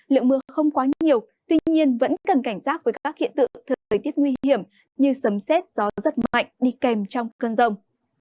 lượng mưa không quá nhiều tuy nhiên vẫn cần cảnh giác với các hiện tượng thời tiết nguy hiểm như sấm xét gió rất mạnh đi kèm trong cơn rông